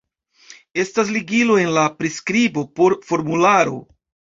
Estas ligilo en la priskribo por formularo